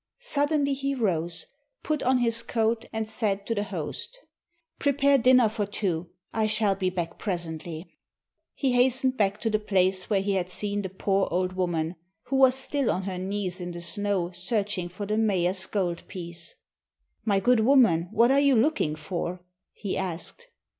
Suddenly he rose, put on his coat, and said to the host, "Prepare dinner for two. I shall be back presently." He hastened back to the place where he had seen the poor old woman, who was still on her knees in the snow searching for the mayor's gold piece. "My good woman, what are you looking for?" he asked.